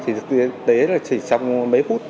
thì thực tế là chỉ trong mấy phút